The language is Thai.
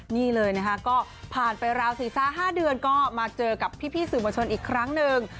นี่เลยนะคะก็ผ่านไปราว๔๕เดือนก็มาเจอกับพี่สื่อมวลชนอีกครั้งหนึ่ง